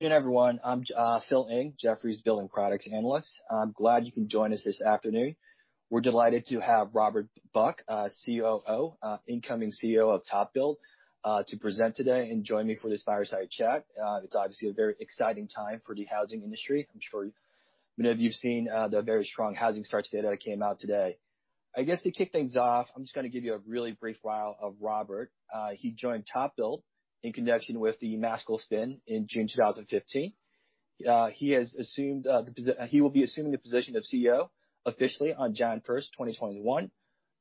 Good everyone. I'm Phil Ng, Jefferies Building Products analyst. I'm glad you can join us this afternoon. We're delighted to have Robert Buck, COO, incoming CEO of TopBuild, to present today and join me for this fireside chat. It's obviously a very exciting time for the housing industry. I'm sure many of you've seen the very strong housing starts today that came out today. I guess, to kick things off, I'm just gonna give you a really brief bio of Robert. He joined TopBuild in connection with the Masco spin in June 2015. He will be assuming the position of CEO officially on January 1st, 2021.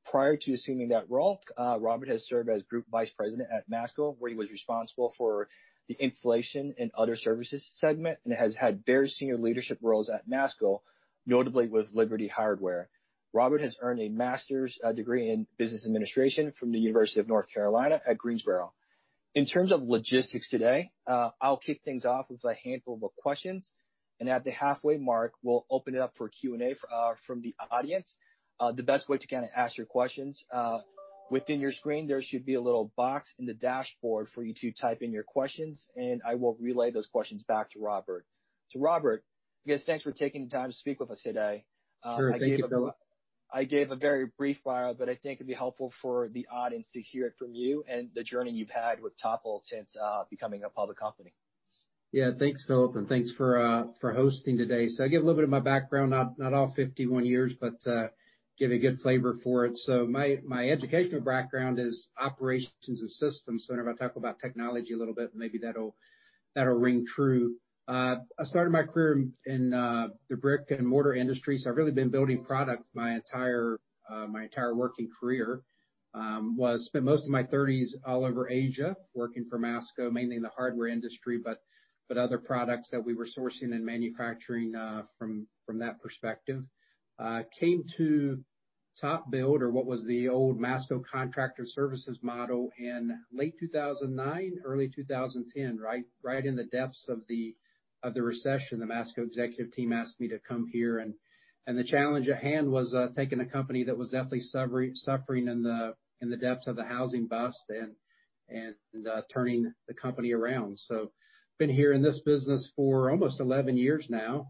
Prior to assuming that role, Robert has served as Group Vice President at Masco, where he was responsible for the Installation and Other Services segment, and has had very senior leadership roles at Masco, notably with Liberty Hardware. Robert has earned a master's degree in Business Administration from the University of North Carolina at Greensboro. In terms of logistics today, I'll kick things off with a handful of questions, and at the halfway mark, we'll open it up for Q&A from the audience. The best way to kinda ask your questions, within your screen, there should be a little box in the dashboard for you to type in your questions, and I will relay those questions back to Robert. So Robert, I guess, thanks for taking the time to speak with us today. Sure. Thank you, Philip. I gave a very brief bio, but I think it'd be helpful for the audience to hear it from you and the journey you've had with TopBuild since becoming a public company. Yeah. Thanks, Philip, and thanks for hosting today. So I'll give a little bit of my background, not all fifty-one years, but give a good flavor for it. So my educational background is Operations and Systems, so whenever I talk about technology a little bit, maybe that'll ring true. I started my career in the brick-and-mortar industry, so I've really been building products my entire working career. Well, I spent most of my thirties all over Asia, working for Masco, mainly in the hardware industry, but other products that we were sourcing and manufacturing from that perspective. Came to TopBuild, or what was the old Masco Contractor Services model, in late 2009, early 2010. Right, right in the depths of the recession, the Masco executive team asked me to come here, and the challenge at hand was taking a company that was definitely suffering in the depths of the housing bust and turning the company around. So been here in this business for almost 11 years now.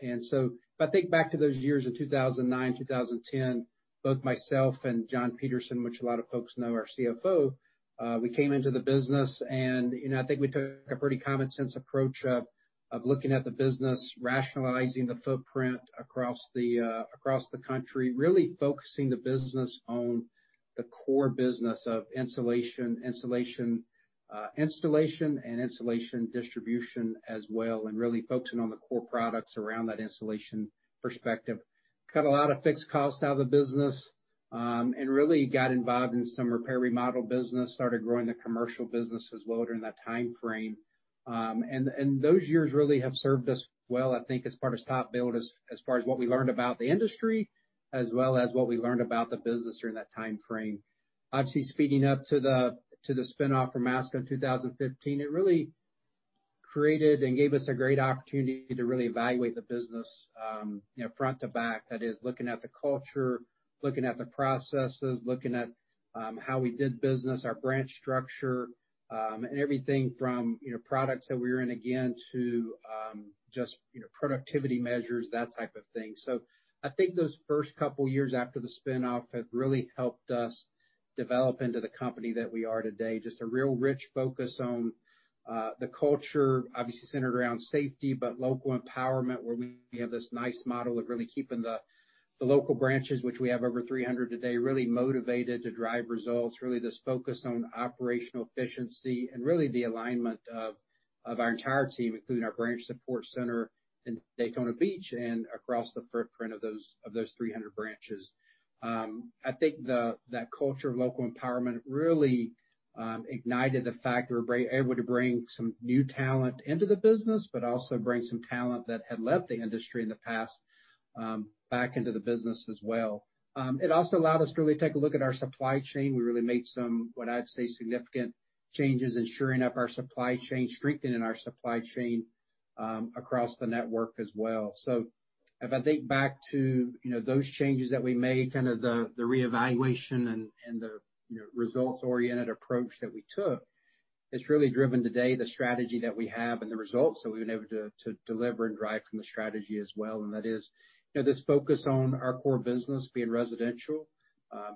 And so if I think back to those years in 2009, 2010, both myself and John Peterson, which a lot of folks know, our CFO, we came into the business and, you know, I think we took a pretty common sense approach of looking at the business, rationalizing the footprint across the country, really focusing the business on the core business of insulation installation and insulation distribution as well, and really focusing on the core products around that insulation perspective. Cut a lot of fixed costs out of the business, and really got involved in some repair, remodel business. Started growing the commercial business as well during that timeframe, and those years really have served us well, I think, as part of TopBuild, as far as what we learned about the industry, as well as what we learned about the business during that timeframe. Obviously, speeding up to the spin-off from Masco in 2015, it really created and gave us a great opportunity to really evaluate the business, you know, front to back. That is, looking at the culture, looking at the processes, looking at how we did business, our branch structure, and everything from, you know, products that we were in, again, to just, you know, productivity measures, that type of thing. So I think those first couple years after the spin-off have really helped us develop into the company that we are today. Just a real rich focus on the culture, obviously centered around safety, but local empowerment, where we have this nice model of really keeping the local branches, which we have over three hundred today, really motivated to drive results. Really, this focus on operational efficiency and really the alignment of our entire team, including our branch support center in Daytona Beach and across the footprint of those three hundred branches. I think that culture of local empowerment really ignited the fact that we're able to bring some new talent into the business, but also bring some talent that had left the industry in the past back into the business as well. It also allowed us to really take a look at our supply chain. We really made some, what I'd say, significant changes in shoring up our supply chain, strengthening our supply chain, across the network as well, so if I think back to, you know, those changes that we made, kind of the reevaluation and the, you know, results-oriented approach that we took, it's really driven today the strategy that we have and the results that we've been able to deliver and drive from the strategy as well, and that is, you know, this focus on our core business being residential,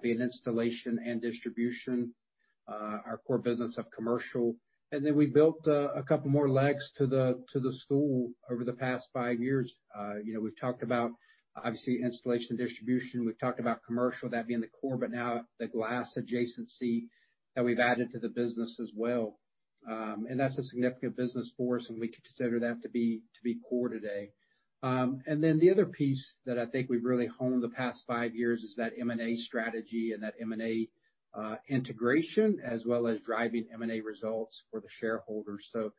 being installation and distribution, our core business of commercial, and then we built a couple more legs to the stool over the past five years. You know, we've talked about, obviously, installation, distribution. We've talked about commercial, that being the core, but now the glass adjacency that we've added to the business as well. And that's a significant business for us, and we consider that to be core today. And then the other piece that I think we've really honed the past five years is that M&A strategy and that M&A integration, as well as driving M&A results for the shareholders. You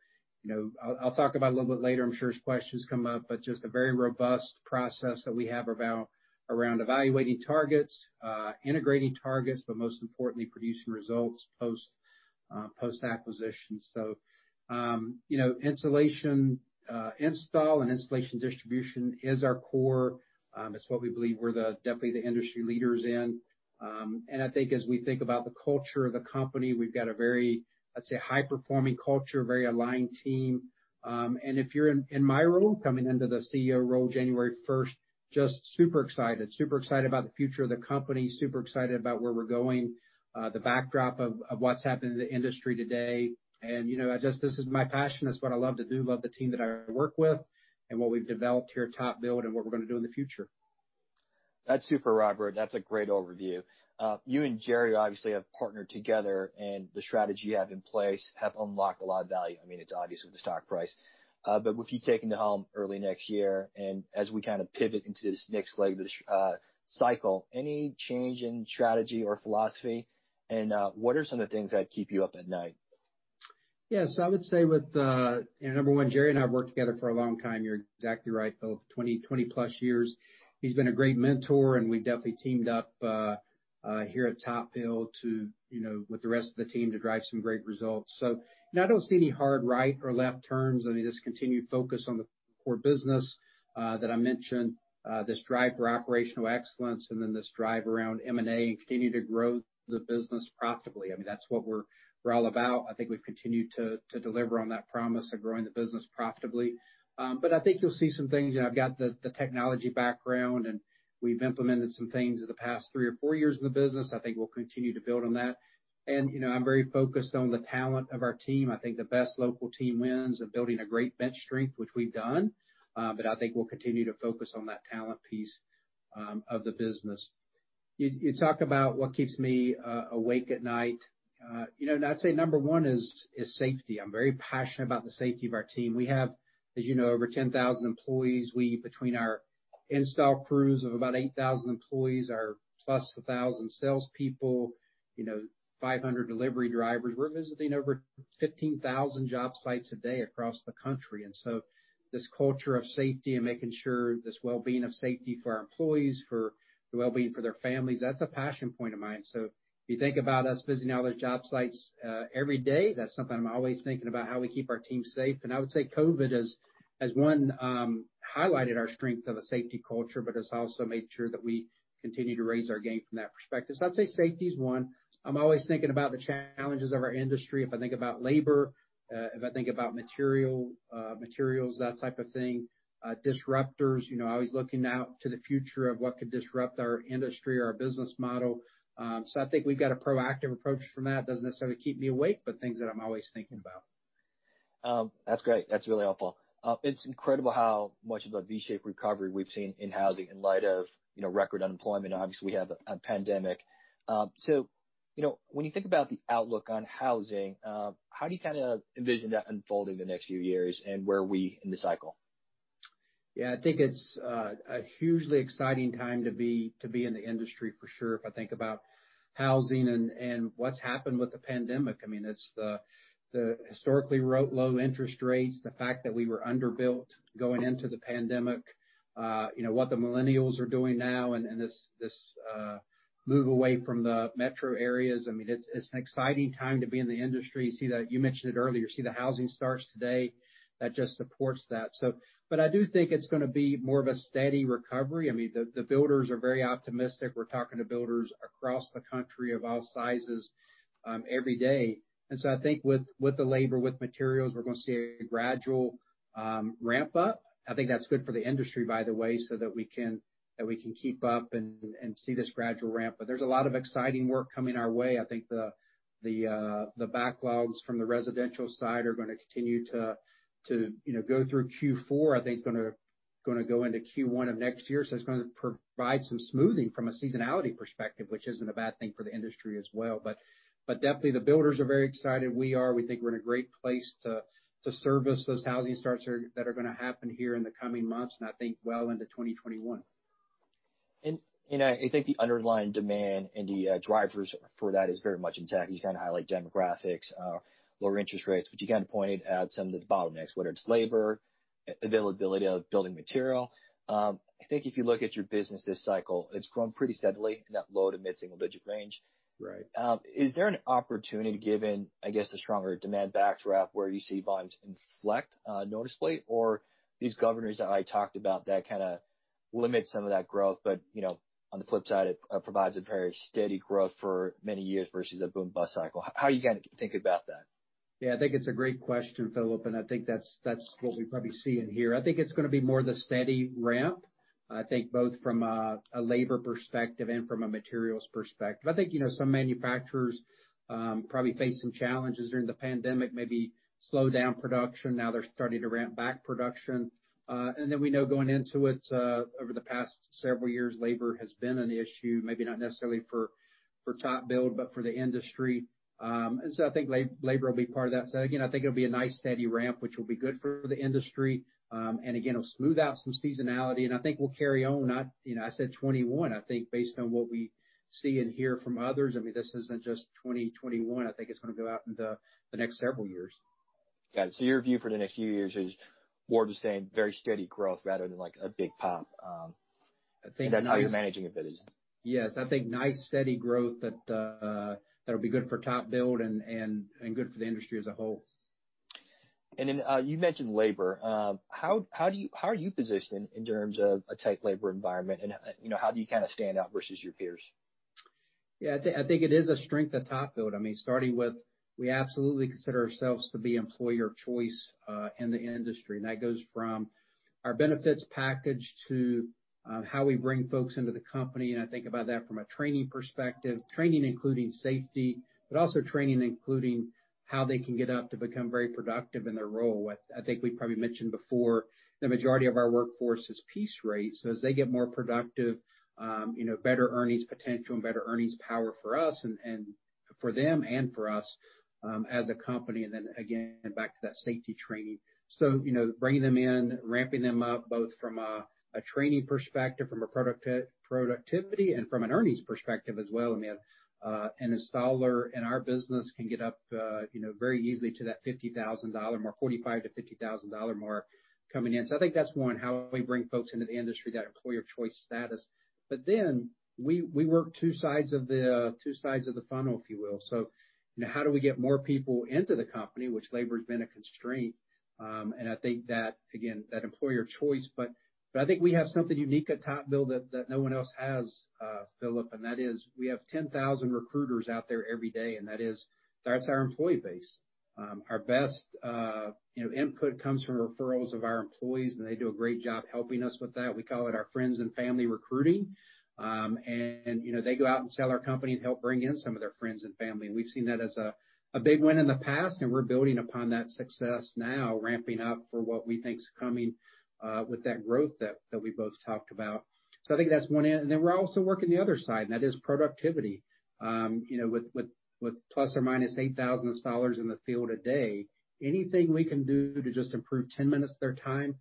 know, I'll talk about a little bit later, I'm sure as questions come up, but just a very robust process that we have about around evaluating targets, integrating targets, but most importantly, producing results post-acquisition. You know, insulation install and insulation distribution is our core. It's what we believe we're definitely the industry leaders in, and I think as we think about the culture of the company, we've got a very, I'd say, high-performing culture, a very aligned team, and if you're in my role, coming into the CEO role January first, just super excited. Super excited about the future of the company, super excited about where we're going, the backdrop of what's happening in the industry today. You know, I just this is my passion. It's what I love to do, love the team that I work with, and what we've developed here at TopBuild, and what we're gonna do in the future.... That's super, Robert. That's a great overview. You and Jerry obviously have partnered together, and the strategy you have in place have unlocked a lot of value. I mean, it's obvious with the stock price. But with you taking the helm early next year, and as we kind of pivot into this next leg of this, cycle, any change in strategy or philosophy? And, what are some of the things that keep you up at night? Yes, I would say with number one, Jerry and I have worked together for a long time. You're exactly right, Philip, 20-plus years. He's been a great mentor, and we definitely teamed up here at TopBuild to, you know, with the rest of the team, to drive some great results. So and I don't see any hard right or left turns, I mean, just continue to focus on the core business that I mentioned this drive for operational excellence, and then this drive around M&A and continue to grow the business profitably. I mean, that's what we're all about. I think we've continued to deliver on that promise of growing the business profitably. But I think you'll see some things, and I've got the technology background, and we've implemented some things in the past three or four years in the business. I think we'll continue to build on that. You know, I'm very focused on the talent of our team. I think the best local team wins and building a great bench strength, which we've done, but I think we'll continue to focus on that talent piece of the business. You talk about what keeps me awake at night. You know, I'd say number one is safety. I'm very passionate about the safety of our team. We have, as you know, over 10,000 employees. We between our install crews of about 8,000 employees, our plus 1,000 salespeople, you know, 500 delivery drivers. We're visiting over 15,000 job sites a day across the country, and so this culture of safety and making sure this well-being of safety for our employees, for the well-being for their families, that's a passion point of mine. So if you think about us visiting all those job sites every day, that's something I'm always thinking about, how we keep our team safe. And I would say COVID has highlighted our strength of a safety culture, but it's also made sure that we continue to raise our game from that perspective. So I'd say safety is one. I'm always thinking about the challenges of our industry. If I think about labor, if I think about material, materials, that type of thing, disruptors, you know, always looking out to the future of what could disrupt our industry or our business model. So I think we've got a proactive approach from that. Doesn't necessarily keep me awake, but things that I'm always thinking about. That's great. That's really helpful. It's incredible how much of a V-shaped recovery we've seen in housing in light of, you know, record unemployment, obviously, we have a pandemic. So, you know, when you think about the outlook on housing, how do you kind of envision that unfolding the next few years, and where are we in the cycle? Yeah, I think it's a hugely exciting time to be in the industry for sure. If I think about housing and what's happened with the pandemic, I mean, it's the historically low interest rates, the fact that we were underbuilt going into the pandemic, you know, what the millennials are doing now and this move away from the metro areas. I mean, it's an exciting time to be in the industry. You see that. You mentioned it earlier, see the housing starts today, that just supports that. So, but I do think it's gonna be more of a steady recovery. I mean, the builders are very optimistic. We're talking to builders across the country of all sizes, every day. And so I think with the labor, with materials, we're gonna see a gradual ramp up. I think that's good for the industry, by the way, so that we can keep up and see this gradual ramp. But there's a lot of exciting work coming our way. I think the backlogs from the residential side are gonna continue to, you know, go through Q4. I think it's gonna go into Q1 of next year, so it's gonna provide some smoothing from a seasonality perspective, which isn't a bad thing for the industry as well. But definitely the builders are very excited. We are. We think we're in a great place to service those housing starts that are gonna happen here in the coming months, and I think well into 2021. I think the underlying demand and the drivers for that is very much intact. You kind of highlight demographics, lower interest rates, but you kind of pointed out some of the bottlenecks, whether it's labor, availability of building material. I think if you look at your business this cycle, it's grown pretty steadily in that low to mid-single digit range. Right. Is there an opportunity given, I guess, the stronger demand backdrop, where you see volumes inflect noticeably, or these governors that I talked about that kind of limit some of that growth, but, you know, on the flip side, it provides a very steady growth for many years versus a boom-bust cycle? How are you gonna think about that? Yeah, I think it's a great question, Philip, and I think that's, that's what we probably see in here. I think it's gonna be more the steady ramp. I think both from a, a labor perspective and from a materials perspective. I think, you know, some manufacturers probably faced some challenges during the pandemic, maybe slowed down production. Now they're starting to ramp back production. And then we know going into it, over the past several years, labor has been an issue, maybe not necessarily for, for TopBuild, but for the industry. And so I think labor will be part of that. So again, I think it'll be a nice, steady ramp, which will be good for the industry, and again, it'll smooth out some seasonality, and I think we'll carry on. I, you know, I said 2021. I think based on what we see and hear from others, I mean, this isn't just twenty twenty-one. I think it's gonna go out into the next several years. Got it. So your view for the next few years is more of the same, very steady growth rather than, like, a big pop. I think- That's how you're managing your business. Yes. I think nice, steady growth that that'll be good for TopBuild and good for the industry as a whole. And then you mentioned labor. How are you positioned in terms of a tight labor environment, and you know, how do you kind of stand out versus your peers? Yeah, I think it is a strength of TopBuild. I mean, starting with, we absolutely consider ourselves to be employer of choice in the industry. And that goes from our benefits package to how we bring folks into the company, and I think about that from a training perspective. Training, including safety, but also training, including how they can get up to become very productive in their role. I think we probably mentioned before, the majority of our workforce is piece rate, so as they get more productive, you know, better earnings potential and better earnings power for us and for them and for us as a company, and then again, back to that safety training. So, you know, bringing them in, ramping them up, both from a, a training perspective, from a productivity, and from an earnings perspective as well. I mean, an installer in our business can get up, you know, very easily to that $50,000 mark, $45,000-$50,000 mark coming in. So I think that's one, how we bring folks into the industry, that employer of choice status. But then we, we work two sides of the, two sides of the funnel, if you will. So, you know, how do we get more people into the company, which labor's been a constraint? And I think that, again, that employer of choice, but I think we have something unique at TopBuild that no one else has, Philip, and that is we have ten thousand recruiters out there every day, and that is, that's our employee base. Our best, you know, input comes from referrals of our employees, and they do a great job helping us with that. We call it our friends and family recruiting. And, you know, they go out and sell our company and help bring in some of their friends and family. And we've seen that as a big win in the past, and we're building upon that success now, ramping up for what we think is coming, with that growth that we both talked about. So I think that's one end. And then we're also working the other side, and that is productivity. You know, with ±8,000 installers in the field a day, anything we can do to just improve ten minutes of their time,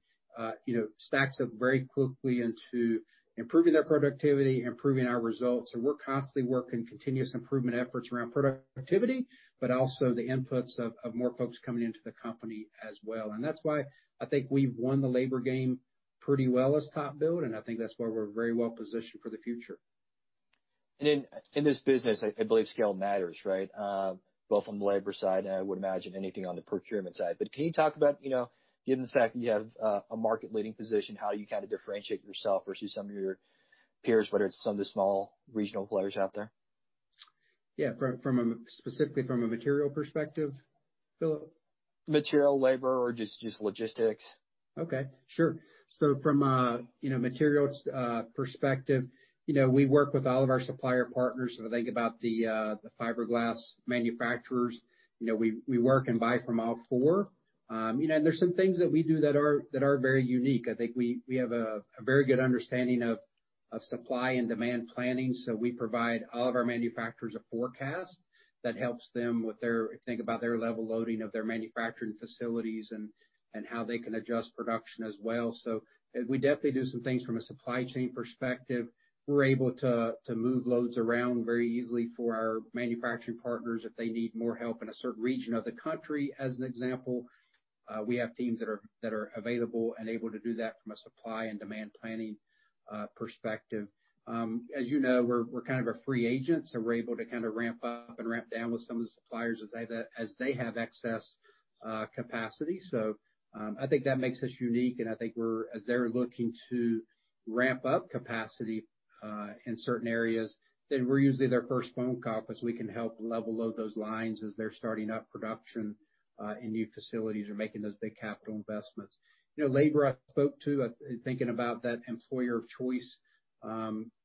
you know, stacks up very quickly into improving their productivity, improving our results. And we're constantly working continuous improvement efforts around productivity, but also the inputs of more folks coming into the company as well. And that's why I think we've won the labor game pretty well as TopBuild, and I think that's why we're very well positioned for the future. In this business, I believe scale matters, right? Both from the labor side, and I would imagine anything on the procurement side. But can you talk about, you know, given the fact that you have a market-leading position, how you kind of differentiate yourself versus some of your peers, whether it's some of the small regional players out there? Yeah. Specifically from a material perspective, Philip? Material, labor, or just logistics. Okay, sure. So from a materials perspective, you know, we work with all of our supplier partners. So think about the fiberglass manufacturers. You know, we work and buy from all four. You know, and there's some things that we do that are very unique. I think we have a very good understanding of supply and demand planning, so we provide all of our manufacturers a forecast that helps them with their level loading of their manufacturing facilities and how they can adjust production as well. So we definitely do some things from a supply chain perspective. We're able to move loads around very easily for our manufacturing partners if they need more help in a certain region of the country, as an example. We have teams that are available and able to do that from a supply and demand planning perspective. As you know, we're kind of a free agent, so we're able to kind of ramp up and ramp down with some of the suppliers as they have excess capacity. So, I think that makes us unique, and I think we're as they're looking to ramp up capacity in certain areas, then we're usually their first phone call, because we can help level load those lines as they're starting up production in new facilities or making those big capital investments. You know, labor, I spoke to, thinking about that employer of choice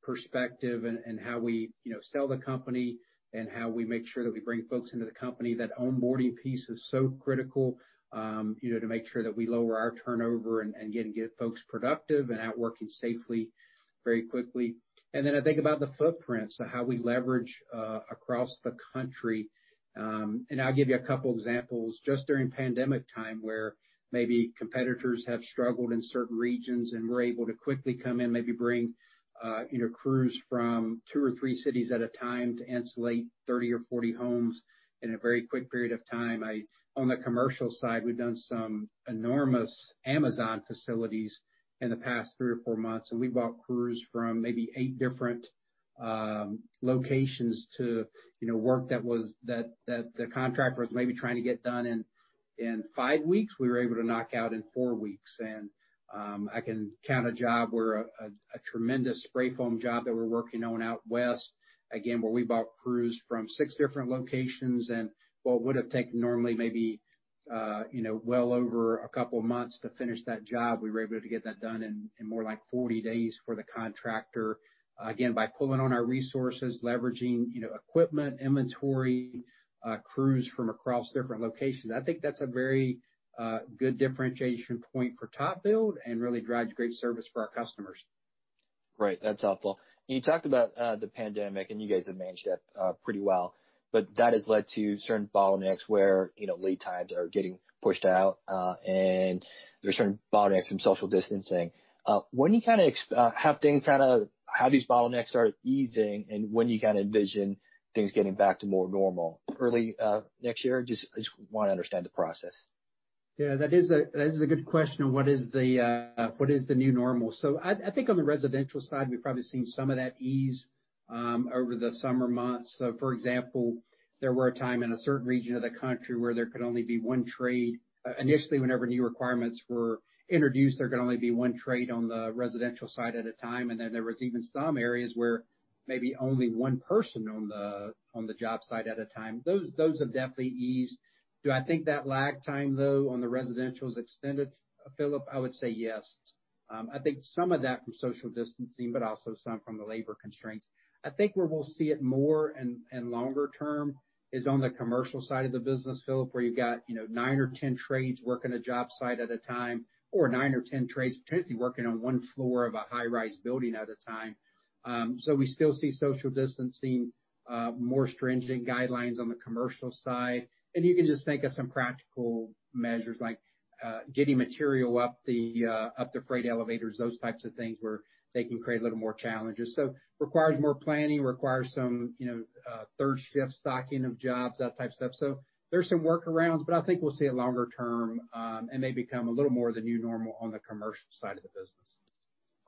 perspective and how we, you know, sell the company and how we make sure that we bring folks into the company. That onboarding piece is so critical, you know, to make sure that we lower our turnover and, and again, get folks productive and out working safely very quickly. And then I think about the footprint, so how we leverage across the country. And I'll give you a couple examples. Just during pandemic time, where maybe competitors have struggled in certain regions, and we're able to quickly come in, maybe bring, you know, crews from two or three cities at a time to insulate thirty or forty homes in a very quick period of time. On the commercial side, we've done some enormous Amazon facilities in the past three or four months, and we brought crews from maybe eight different locations to, you know, work that the contractor was maybe trying to get done in five weeks, we were able to knock out in four weeks. And I can count a job where a tremendous spray foam job that we're working on out west, again, where we brought crews from six different locations, and what would have taken normally maybe, you know, well over a couple of months to finish that job, we were able to get that done in more like forty days for the contractor. Again, by pulling on our resources, leveraging, you know, equipment, inventory, crews from across different locations. I think that's a very good differentiation point for TopBuild and really drives great service for our customers. Great. That's helpful. You talked about the pandemic, and you guys have managed that pretty well, but that has led to certain bottlenecks where, you know, lead times are getting pushed out, and there's certain bottlenecks from social distancing. When do you kind of have things kind of, how these bottlenecks started easing, and when do you kind of envision things getting back to more normal? Early next year? Just, I just want to understand the process. Yeah, that is a, that is a good question. What is the new normal? So I, I think on the residential side, we've probably seen some of that ease over the summer months. So for example, there were a time in a certain region of the country where there could only be one trade. Initially, whenever new requirements were introduced, there could only be one trade on the residential side at a time, and then there was even some areas where maybe only one person on the job site at a time. Those have definitely eased. Do I think that lag time, though, on the residential is extended, Philip? I would say yes. I think some of that from social distancing, but also some from the labor constraints. I think where we'll see it more and longer term is on the commercial side of the business, Philip, where you've got, you know, nine or 10 trades working a job site at a time, or nine or 10 trades potentially working on one floor of a high-rise building at a time. So we still see social distancing, more stringent guidelines on the commercial side. And you can just think of some practical measures, like, getting material up the freight elevators, those types of things, where they can create a little more challenges. So requires more planning, requires some, you know, third shift stocking of jobs, that type stuff. So there's some workarounds, but I think we'll see it longer term, and may become a little more of the new normal on the commercial side of the business.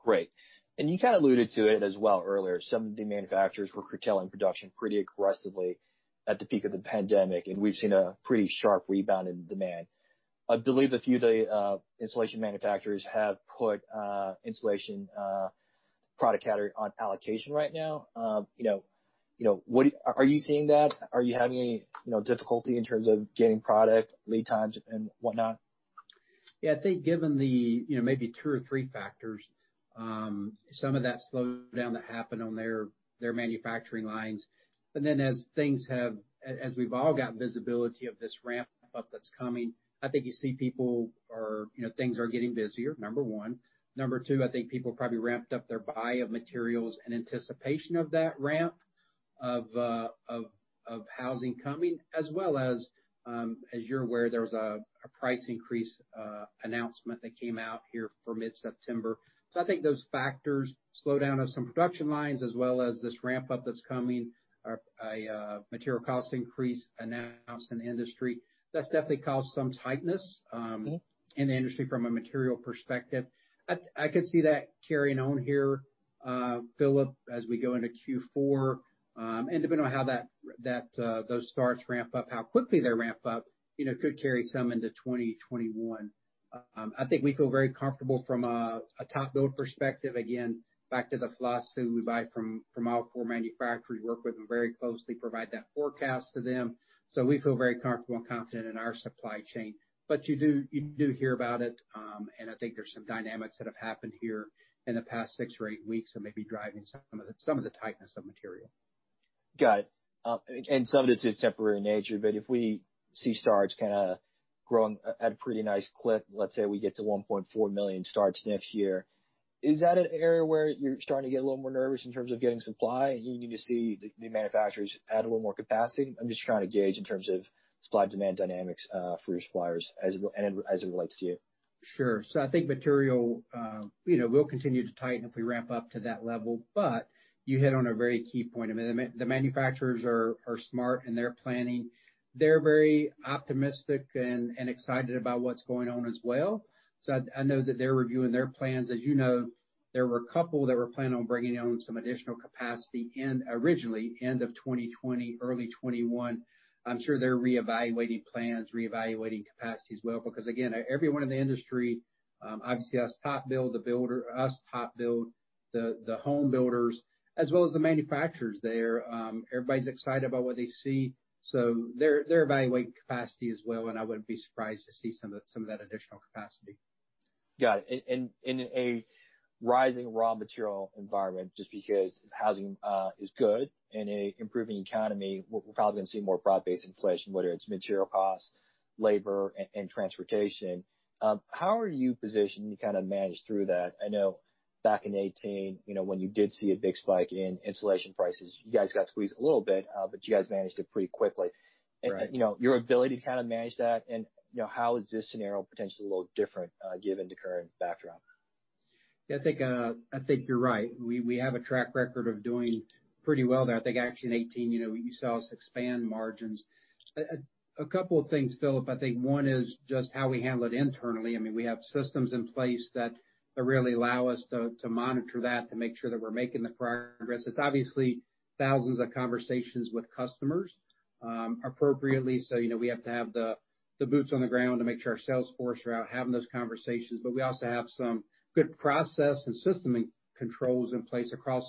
Great. And you kind of alluded to it as well earlier, some of the manufacturers were curtailing production pretty aggressively at the peak of the pandemic, and we've seen a pretty sharp rebound in demand. I believe a few of the insulation manufacturers have put insulation product category on allocation right now. You know, what are you seeing that? Are you having any, you know, difficulty in terms of getting product, lead times, and whatnot? Yeah, I think given the, you know, maybe two or three factors, some of that slowdown that happened on their manufacturing lines. But then as things have as we've all got visibility of this ramp-up that's coming, I think you see people are, you know, things are getting busier, number one. Number two, I think people probably ramped up their buy of materials in anticipation of that ramp of housing coming, as well as, as you're aware, there was a price increase announcement that came out here for mid-September. So I think those factors, slowdown of some production lines, as well as this ramp-up that's coming, are a material cost increase announced in the industry. That's definitely caused some tightness in the industry from a material perspective. I could see that carrying on here, Philip, as we go into Q4, and depending on how that those starts ramp up, how quickly they ramp up, you know, could carry some into 2021. I think we feel very comfortable from a TopBuild perspective. Again, back to the philosophy, we buy from all four manufacturers, work with them very closely, provide that forecast to them. So we feel very comfortable and confident in our supply chain. But you do hear about it, and I think there's some dynamics that have happened here in the past six or eight weeks that may be driving some of the tightness of material. Got it, and some of this is temporary in nature, but if we see starts kind of growing at a pretty nice clip, let's say we get to 1.4 million starts next year, is that an area where you're starting to get a little more nervous in terms of getting supply, and you need to see the manufacturers add a little more capacity? I'm just trying to gauge in terms of supply-demand dynamics for your suppliers as it and as it relates to you. Sure. So I think material, you know, will continue to tighten if we ramp up to that level, but you hit on a very key point. I mean, the manufacturers are smart in their planning. They're very optimistic and excited about what's going on as well. So I know that they're reviewing their plans. As you know, there were a couple that were planning on bringing on some additional capacity in originally end of 2020, early 2021. I'm sure they're reevaluating plans, reevaluating capacity as well, because again, everyone in the industry, obviously us, TopBuild, the builder, us, TopBuild, the home builders, as well as the manufacturers there, everybody's excited about what they see. So they're evaluating capacity as well, and I wouldn't be surprised to see some of that additional capacity. Got it. In a rising raw material environment, just because housing is good and an improving economy, we're probably going to see more broad-based inflation, whether it's material costs, labor, and transportation. How are you positioned to kind of manage through that? I know back in 2018, you know, when you did see a big spike in insulation prices, you guys got squeezed a little bit, but you guys managed it pretty quickly. Right. You know, your ability to kind of manage that and, you know, how is this scenario potentially a little different, given the current background? Yeah, I think I think you're right. We have a track record of doing pretty well there. I think actually in 2018, you know, you saw us expand margins. A couple of things, Philip. I think one is just how we handle it internally. I mean, we have systems in place that really allow us to monitor that, to make sure that we're making the progress. It's obviously thousands of conversations with customers appropriately. So, you know, we have to have the boots on the ground to make sure our sales force are out having those conversations. But we also have some good process and system and controls in place across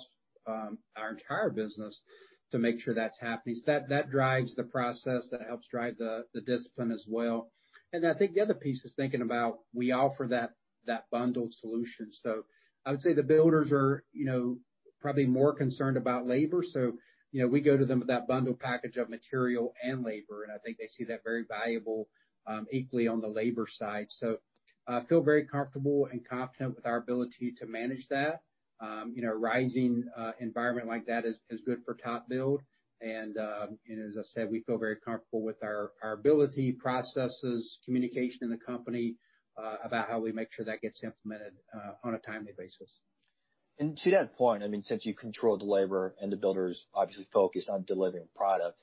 our entire business to make sure that's happening. So that drives the process, that helps drive the discipline as well. I think the other piece is thinking about. We offer that bundled solution. So I would say the builders are, you know, probably more concerned about labor. So, you know, we go to them with that bundled package of material and labor, and I think they see that very valuable, equally on the labor side. So I feel very comfortable and confident with our ability to manage that. You know, a rising environment like that is good for TopBuild, and as I said, we feel very comfortable with our ability, processes, communication in the company, about how we make sure that gets implemented on a timely basis. To that point, I mean, since you control the labor and the builders obviously focus on delivering product,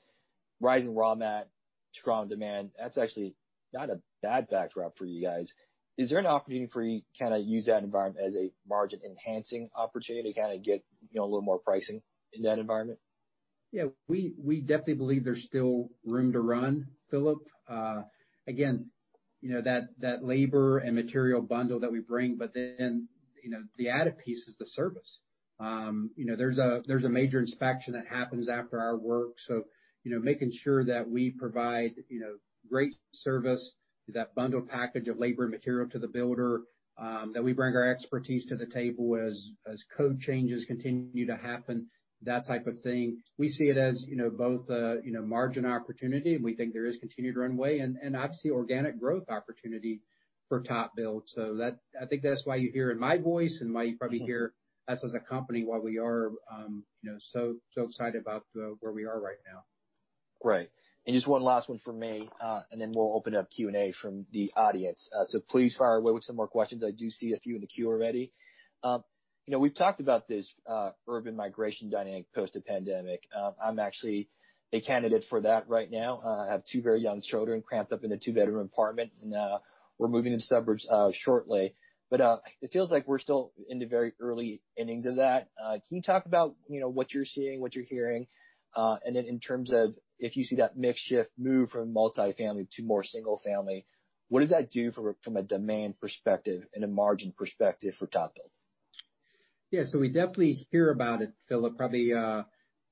rising raw mat, strong demand, that's actually not a bad backdrop for you guys. Is there an opportunity for you to kind of use that environment as a margin-enhancing opportunity to kind of get, you know, a little more pricing in that environment? Yeah, we definitely believe there's still room to run, Philip. Again, you know, that labor and material bundle that we bring, but then, you know, the added piece is the service. You know, there's a major inspection that happens after our work, so, you know, making sure that we provide, you know, great service, that bundled package of labor and material to the builder, that we bring our expertise to the table as code changes continue to happen, that type of thing. We see it as, you know, both a margin opportunity, and we think there is continued runway, and obviously, organic growth opportunity for TopBuild. I think that's why you hear in my voice, and why you probably hear us as a company, why we are, you know, so, so excited about where we are right now. Great. And just one last one from me, and then we'll open up Q&A from the audience. So please fire away with some more questions. I do see a few in the queue already. You know, we've talked about this, urban migration dynamic post the pandemic. I'm actually a candidate for that right now. I have two very young children cramped up in a two-bedroom apartment, and we're moving to the suburbs shortly. But it feels like we're still in the very early innings of that. Can you talk about, you know, what you're seeing, what you're hearing? And then in terms of if you see that mix shift move from multifamily to more single family, what does that do from a demand perspective and a margin perspective for TopBuild? Yeah. So we definitely hear about it, Philip, probably,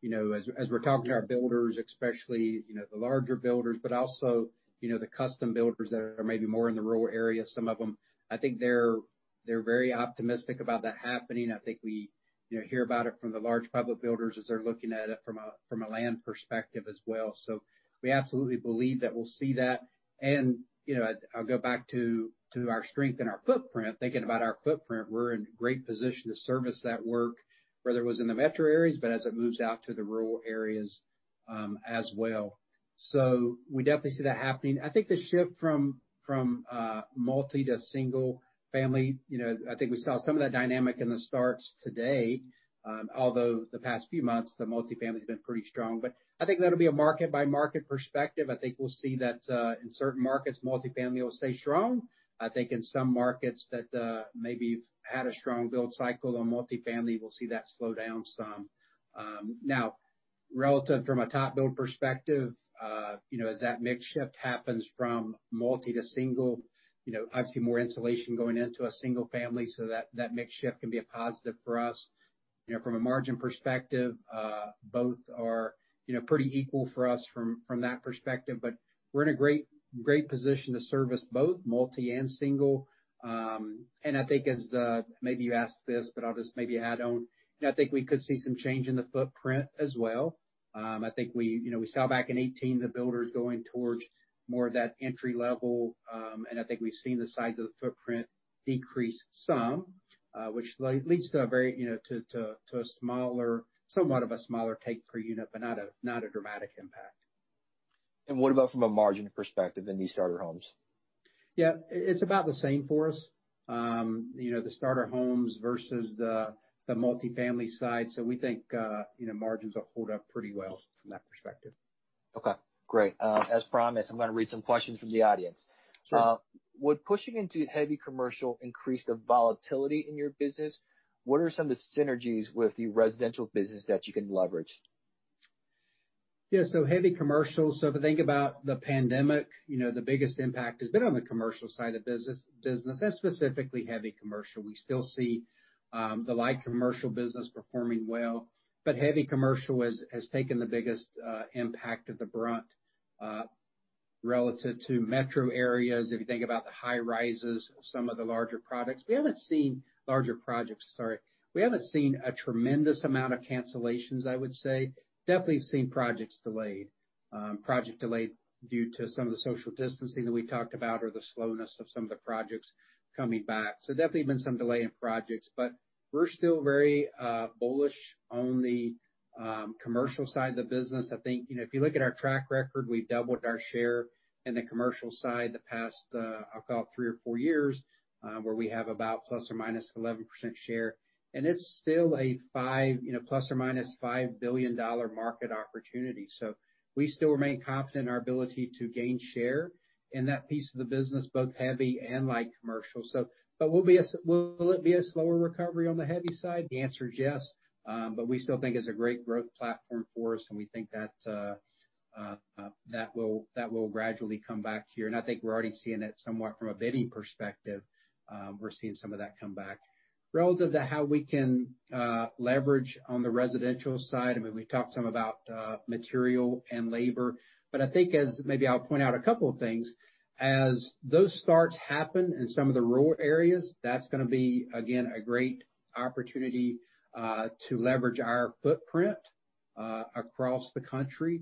you know, as we're talking to our builders, especially, you know, the larger builders, but also, you know, the custom builders that are maybe more in the rural areas, some of them. I think they're very optimistic about that happening. I think we, you know, hear about it from the large public builders as they're looking at it from a land perspective as well. So we absolutely believe that we'll see that. And, you know, I'll go back to our strength and our footprint. Thinking about our footprint, we're in great position to service that work, whether it was in the metro areas, but as it moves out to the rural areas, as well. So we definitely see that happening. I think the shift from multi to single family, you know, I think we saw some of that dynamic in the starts today. Although the past few months, the multifamily's been pretty strong, but I think that'll be a market by market perspective. I think we'll see that in certain markets, multifamily will stay strong. I think in some markets that maybe you've had a strong build cycle on multifamily, we'll see that slow down some. Now, relative from a TopBuild perspective, you know, as that mix shift happens from multi to single, you know, obviously more insulation going into a single family, so that mix shift can be a positive for us. You know, from a margin perspective, both are, you know, pretty equal for us from that perspective, but we're in a great, great position to service both multi and single. And I think as the... Maybe you asked this, but I'll just maybe add on. I think we could see some change in the footprint as well. I think we, you know, we saw back in 2018, the builders going towards more of that entry level, and I think we've seen the size of the footprint decrease some, which leads to a very, you know, to a smaller, somewhat of a smaller take per unit, but not a dramatic impact. What about from a margin perspective in these starter homes? Yeah, it, it's about the same for us. You know, the starter homes versus the multifamily side. So we think, you know, margins will hold up pretty well from that perspective. Okay, great. As promised, I'm gonna read some questions from the audience. Sure. Would pushing into heavy commercial increase the volatility in your business? What are some of the synergies with the residential business that you can leverage? Yeah, so heavy commercial, so if you think about the pandemic, you know, the biggest impact has been on the commercial side of business, and specifically heavy commercial. We still see the light commercial business performing well, but heavy commercial has taken the biggest impact of the brunt relative to metro areas, if you think about the high rises of some of the larger products. Larger projects, sorry. We haven't seen a tremendous amount of cancellations, I would say. Definitely have seen projects delayed. Project delayed due to some of the social distancing that we talked about, or the slowness of some of the projects coming back. So definitely been some delay in projects, but we're still very bullish on the commercial side of the business. I think, you know, if you look at our track record, we've doubled our share in the commercial side the past, I'll call it three or four years, where we have about ±11% share, and it's still a five, you know, ±$5 billion market opportunity. So we still remain confident in our ability to gain share in that piece of the business, both heavy and light commercial. So but will it be a slower recovery on the heavy side? The answer is yes. But we still think it's a great growth platform for us, and we think that will gradually come back here, and I think we're already seeing it somewhat from a bidding perspective. We're seeing some of that come back. Relative to how we can leverage on the residential side, I mean, we talked some about material and labor. But I think as, maybe I'll point out a couple of things. As those starts happen in some of the rural areas, that's gonna be, again, a great opportunity to leverage our footprint across the country.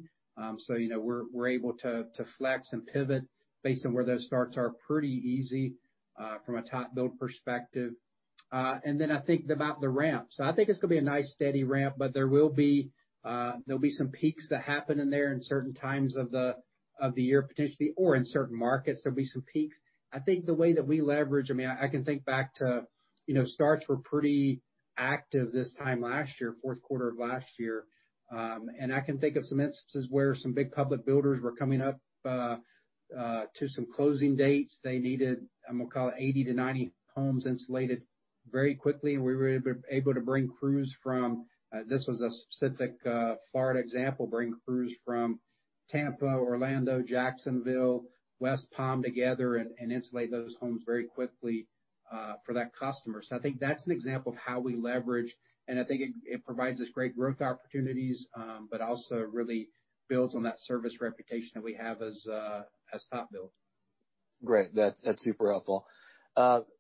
So you know, we're able to flex and pivot based on where those starts are pretty easy from a TopBuild perspective. And then I think about the ramp. So I think it's gonna be a nice, steady ramp, but there'll be some peaks that happen in there in certain times of the year, potentially, or in certain markets, there'll be some peaks. I think the way that we leverage, I mean, I can think back to, you know, starts were pretty active this time last year, fourth quarter of last year. And I can think of some instances where some big public builders were coming up to some closing dates. They needed, I'm gonna call it, 80 to 90 homes insulated very quickly, and we were able to bring crews from, this was a specific Florida example, bring crews from Tampa, Orlando, Jacksonville, West Palm, together, and insulate those homes very quickly for that customer. So I think that's an example of how we leverage, and I think it provides us great growth opportunities, but also really builds on that service reputation that we have as TopBuild. Great. That's, that's super helpful.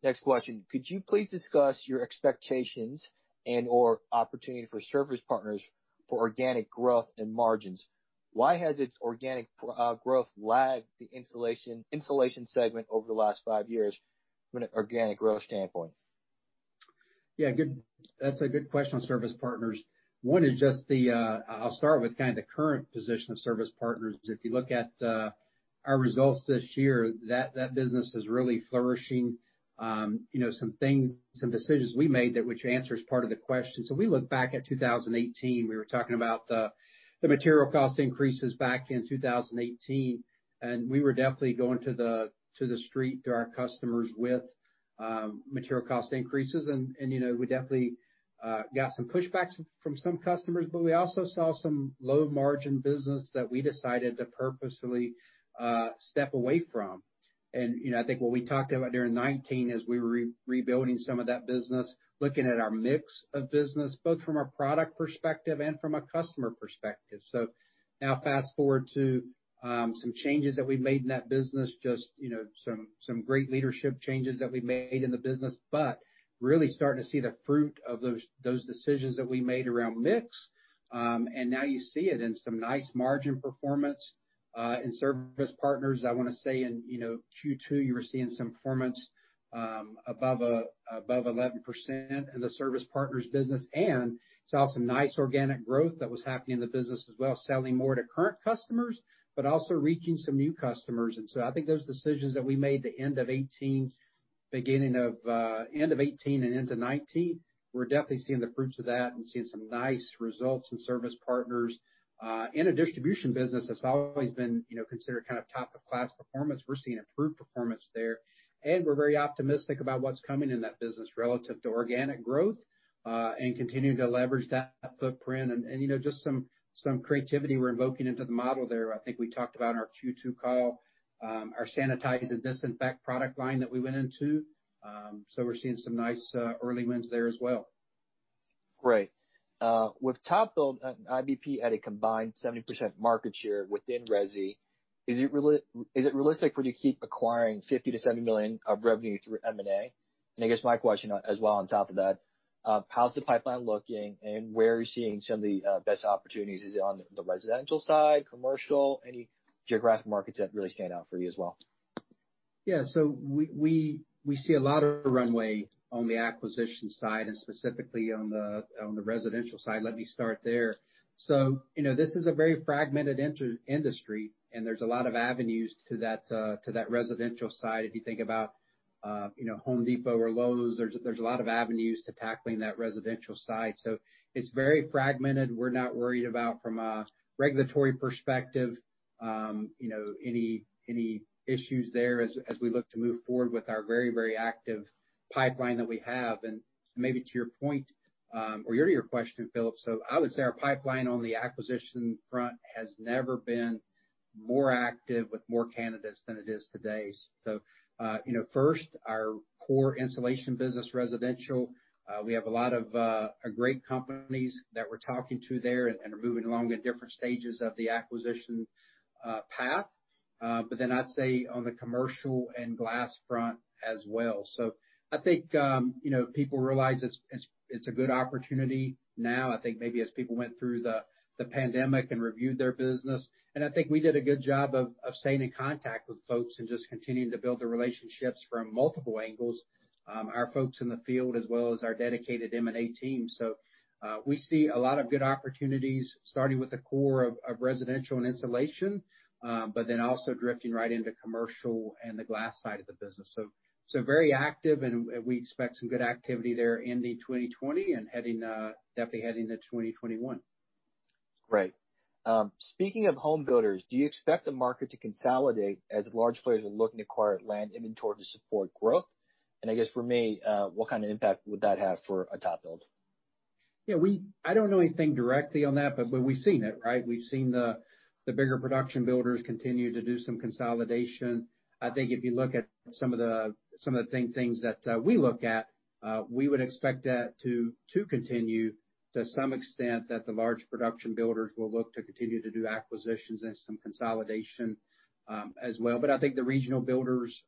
Next question: could you please discuss your expectations and/or opportunity for Service Partners for organic growth and margins? Why has its organic growth lagged the insulation segment over the last five years from an organic growth standpoint? Yeah, good. That's a good question on Service Partners. One is just the. I'll start with kind of the current position of Service Partners. If you look at our results this year, that business is really flourishing. You know, some things, some decisions we made that which answers part of the question. So we look back at 2018, we were talking about the material cost increases back in 2018, and we were definitely going to the street, to our customers with material cost increases. And you know, we definitely got some pushbacks from some customers, but we also saw some low-margin business that we decided to purposefully step away from. And, you know, I think what we talked about during 2019 is we were rebuilding some of that business, looking at our mix of business, both from a product perspective and from a customer perspective. So now fast-forward to some changes that we've made in that business, just, you know, some great leadership changes that we made in the business, but really starting to see the fruit of those decisions that we made around mix. And now you see it in some nice margin performance in Service Partners. I wanna say in, you know, Q2, you were seeing some performance above 11% in the Service Partners business, and saw some nice organic growth that was happening in the business as well, selling more to current customers, but also reaching some new customers. And so I think those decisions that we made the end of 2018, beginning of end of 2018 and into 2019, we're definitely seeing the fruits of that, and seeing some nice results in Service Partners. In a distribution business, that's always been, you know, considered kind of top-of-class performance. We're seeing improved performance there, and we're very optimistic about what's coming in that business relative to organic growth, and continuing to leverage that footprint and, you know, just some creativity we're invoking into the model there. I think we talked about in our Q2 call our sanitize and disinfect product line that we went into. So we're seeing some nice early wins there as well. Great. With TopBuild and IBP at a combined 70% market share within resi, is it realistic for you to keep acquiring $50-$70 million of revenue through M&A? And I guess my question as well on top of that, how's the pipeline looking, and where are you seeing some of the best opportunities? Is it on the residential side, commercial? Any geographic markets that really stand out for you as well? Yeah. So we see a lot of runway on the acquisition side, and specifically on the residential side. Let me start there. So, you know, this is a very fragmented industry, and there's a lot of avenues to that residential side. If you think about, you know, Home Depot or Lowe's, there's a lot of avenues to tackling that residential side, so it's very fragmented. We're not worried about, from a regulatory perspective, you know, any issues there as we look to move forward with our very active pipeline that we have. And maybe to your point, or your question, Philip, so I would say our pipeline on the acquisition front has never been more active with more candidates than it is today. So, you know, first, our core insulation business, residential, we have a lot of great companies that we're talking to there and are moving along at different stages of the acquisition path. But then I'd say on the commercial and glass front as well. So I think, you know, people realize it's a good opportunity now. I think maybe as people went through the pandemic and reviewed their business, and I think we did a good job of staying in contact with folks and just continuing to build the relationships from multiple angles, our folks in the field, as well as our dedicated M&A team. So, we see a lot of good opportunities, starting with the core of residential and insulation, but then also drifting right into commercial and the glass side of the business. So, so very active, and we expect some good activity there ending 2020 and definitely heading into 2021. Great. Speaking of home builders, do you expect the market to consolidate as large players are looking to acquire land inventory to support growth? And I guess for me, what kind of impact would that have for TopBuild? Yeah, I don't know anything directly on that, but we've seen it, right? We've seen the bigger production builders continue to do some consolidation. I think if you look at some of the things that we look at, we would expect that to continue, to some extent, that the large production builders will look to continue to do acquisitions and some consolidation, as well. But I think the regional builders,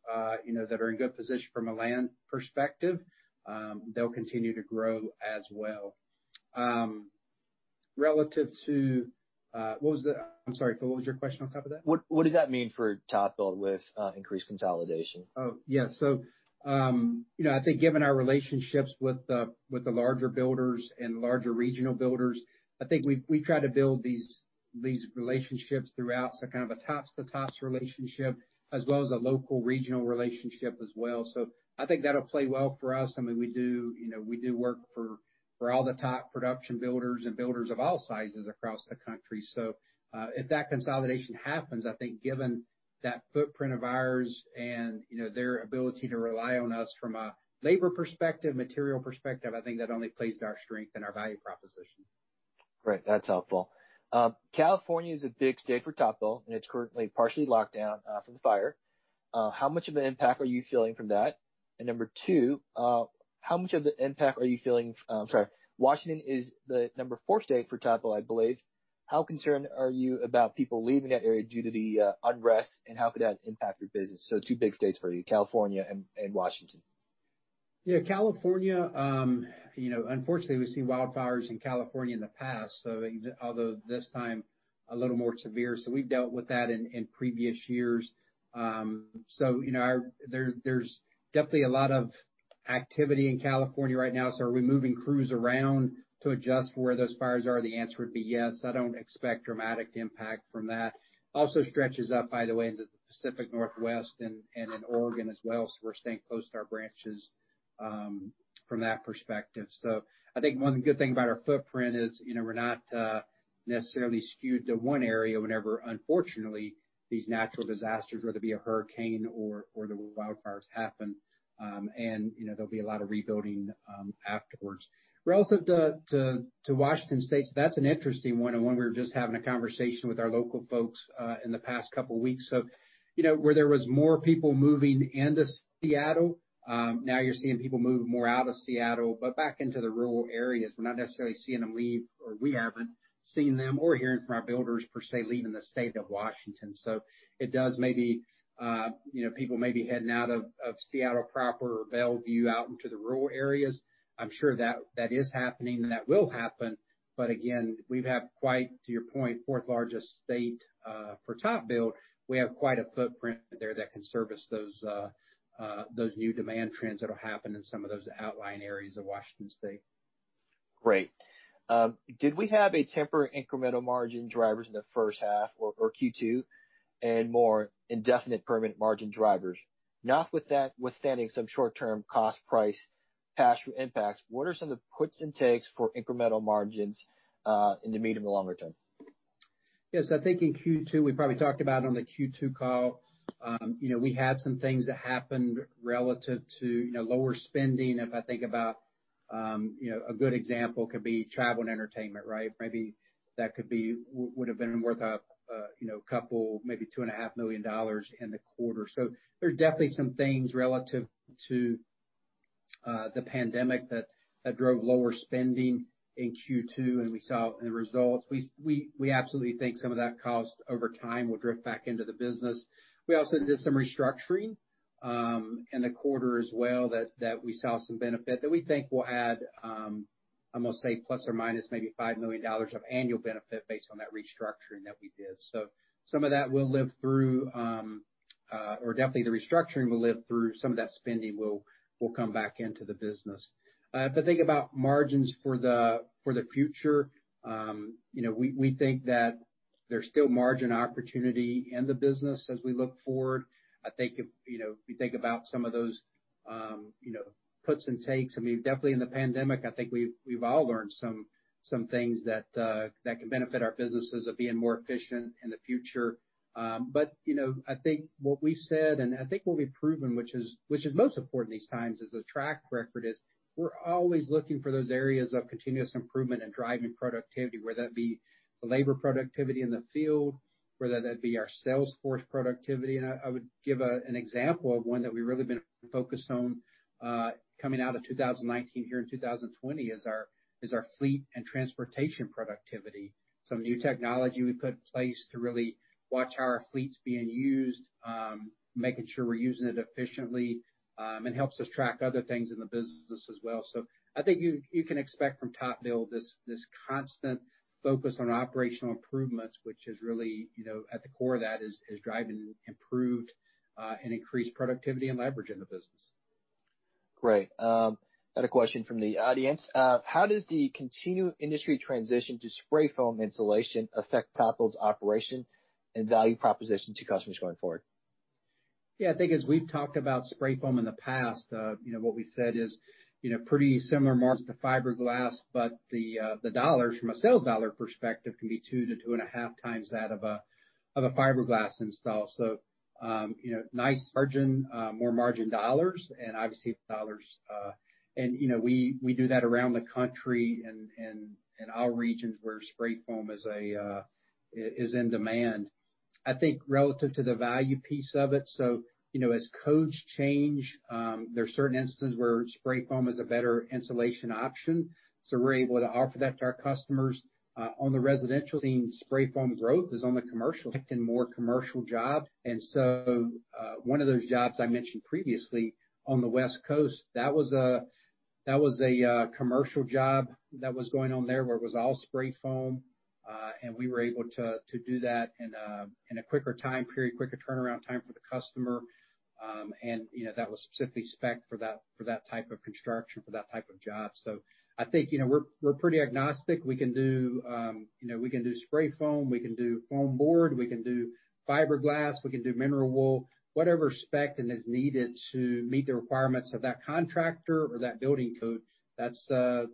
you know, that are in good position from a land perspective, they'll continue to grow as well. Relative to... What was the-- I'm sorry, Phil, what was your question on top of that? What does that mean for TopBuild with increased consolidation? Oh, yeah. So, you know, I think given our relationships with the larger builders and larger regional builders, I think we try to build these relationships throughout, so kind of a tops-to-tops relationship, as well as a local, regional relationship as well. So I think that'll play well for us. I mean, you know, we do work for all the top production builders and builders of all sizes across the country. So, if that consolidation happens, I think given that footprint of ours and, you know, their ability to rely on us from a labor perspective, material perspective, I think that only plays to our strength and our value proposition.... Great, that's helpful. California is a big state for TopBuild, and it's currently partially locked down from the fire. How much of an impact are you feeling from that? And number two, Washington is the number four state for TopBuild, I believe. How concerned are you about people leaving that area due to the unrest, and how could that impact your business? So two big states for you, California and Washington. Yeah, California, you know, unfortunately, we've seen wildfires in California in the past, so even though this time, a little more severe, so we've dealt with that in previous years. So, you know, there, there's definitely a lot of activity in California right now, so are we moving crews around to adjust for where those fires are? The answer would be yes. I don't expect dramatic impact from that. Also stretches up, by the way, into the Pacific Northwest and in Oregon as well, so we're staying close to our branches, from that perspective. So I think one good thing about our footprint is, you know, we're not necessarily skewed to one area whenever, unfortunately, these natural disasters, whether it be a hurricane or the wildfires happen, and, you know, there'll be a lot of rebuilding, afterwards. Relative to Washington State, so that's an interesting one, and one we were just having a conversation with our local folks in the past couple weeks. So, you know, where there was more people moving into Seattle, now you're seeing people move more out of Seattle, but back into the rural areas. We're not necessarily seeing them leave, or we haven't seen them, hearing from our builders, per se, leaving the state of Washington. So it does maybe, you know, people may be heading out of Seattle proper or Bellevue, out into the rural areas. I'm sure that is happening, and that will happen, but again, we have quite, to your point, fourth largest state for TopBuild. We have quite a footprint there that can service those new demand trends that'll happen in some of those outlying areas of Washington State. Great. Did we have temporary incremental margin drivers in the first half or Q2, and more indefinite permanent margin drivers? Not with that, notwithstanding some short-term cost, price, pass-through impacts, what are some of the puts and takes for incremental margins in the medium and longer term? Yes, I think in Q2, we probably talked about on the Q2 call, you know, we had some things that happened relative to, you know, lower spending. If I think about, you know, a good example could be travel and entertainment, right? Maybe that could've been worth, you know, a couple, maybe $2.5 million in the quarter. So there's definitely some things relative to the pandemic that drove lower spending in Q2, and we saw in the results. We absolutely think some of that cost, over time, will drip back into the business. We also did some restructuring in the quarter as well, that we saw some benefit, that we think will add, I'm gonna say, plus or minus maybe $5 million of annual benefit based on that restructuring that we did. So some of that will live through, or definitely the restructuring will live through. Some of that spending will come back into the business. If I think about margins for the future, you know, we think that there's still margin opportunity in the business as we look forward. I think, you know, we think about some of those, you know, puts and takes. I mean, definitely in the pandemic, I think we've all learned some things that can benefit our businesses of being more efficient in the future. But, you know, I think what we've said, and I think what we've proven, which is most important in these times, is the track record. We're always looking for those areas of continuous improvement and driving productivity, whether that be the labor productivity in the field, whether that be our sales force productivity. And I would give an example of one that we've really been focused on, coming out of 2019, here in 2020, is our fleet and transportation productivity. Some new technology we put in place to really watch how our fleet's being used, making sure we're using it efficiently, and helps us track other things in the business as well. I think you can expect from TopBuild this constant focus on operational improvements, which is really, you know, at the core of that, is driving improved and increased productivity and leverage in the business. Great. I had a question from the audience. How does the continued industry transition to spray foam insulation affect TopBuild's operation and value proposition to customers going forward? Yeah, I think as we've talked about spray foam in the past, you know, what we've said is, you know, pretty similar margins to fiberglass, but the dollars from a sales dollar perspective can be two to two and a half times that of a fiberglass install. So, you know, nice margin, more margin dollars, and obviously dollars. And, you know, we do that around the country in our regions, where spray foam is a, is in demand. I think relative to the value piece of it, so, you know, as codes change, there are certain instances where spray foam is a better insulation option, so we're able to offer that to our customers. On the residential scene, spray foam growth is on the commercial, getting more commercial jobs, and so one of those jobs I mentioned previously on the West Coast, that was a commercial job that was going on there, where it was all spray foam and we were able to do that in a quicker time period, quicker turnaround time for the customer. You know, that was specifically spec'd for that, for that type of construction, for that type of job, so I think, you know, we're pretty agnostic. We can do, you know, we can do spray foam, we can do foam board, we can do fiberglass, we can do mineral wool, whatever spec that is needed to meet the requirements of that contractor or that building code, that's,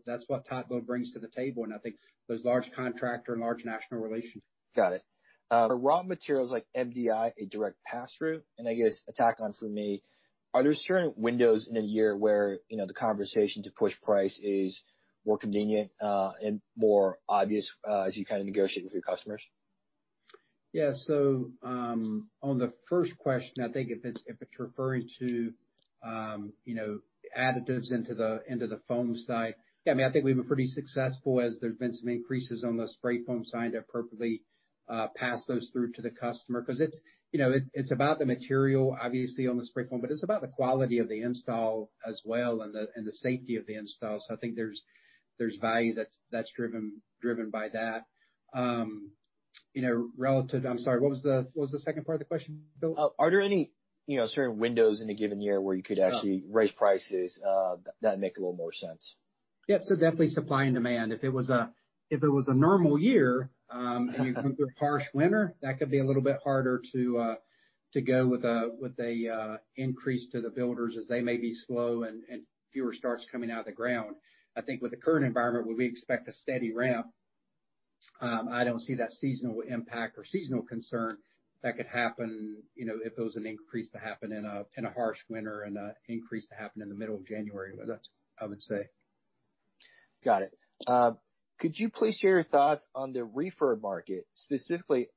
that's what TopBuild brings to the table, and I think those large contractor and large national relationships. Got it, are raw materials like MDI a direct pass-through? And I guess, a tack on for me, are there certain windows in a year where, you know, the conversation to push price is more convenient, and more obvious, as you kind of negotiate with your customers? Yeah. So, on the first question, I think if it's, if it's referring to, you know, additives into the, into the foam side, yeah, I mean, I think we've been pretty successful as there's been some increases on the spray foam side to appropriately pass those through to the customer. 'Cause it's, you know, it, it's about the material, obviously, on the spray foam, but it's about the quality of the install as well, and the safety of the install. So I think there's value that's driven by that. You know, relative... I'm sorry, what was the second part of the question, Philip? Are there any, you know, certain windows in a given year where you could actually raise prices, that make a little more sense? Yeah, so definitely supply and demand. If it was a normal year, and you went through a harsh winter, that could be a little bit harder to go with an increase to the builders, as they may be slow and fewer starts coming out of the ground. I think with the current environment, where we expect a steady ramp, I don't see that seasonal impact or seasonal concern that could happen, you know, if there was an increase to happen in a harsh winter, and an increase to happen in the middle of January. But that's, I would say. Got it. Could you please share your thoughts on the retrofit market? Specifically,